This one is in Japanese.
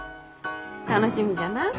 楽しみじゃな。